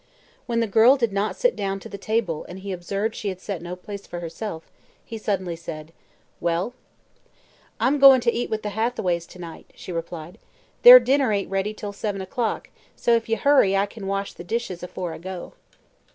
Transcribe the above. When the girl did not sit down to the table and he observed she had set no place for herself, he suddenly said: "Well?" "I'm goin' to eat with the Hathaways to night," she replied. "Their dinner ain't ready till seven o'clock, so if ye hurry a little I kin wash the dishes afore I go."